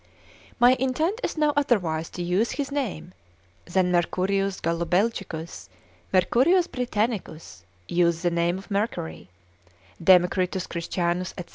My intent is no otherwise to use his name, than Mercurius Gallobelgicus, Mercurius Britannicus, use the name of Mercury, Democritus Christianus, &c.